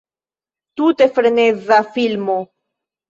Tute freneza filmo.